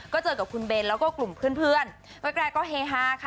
ก็เจอกับคุณเบนแล้วก็กลุ่มเพื่อนแรกก็เฮฮาค่ะ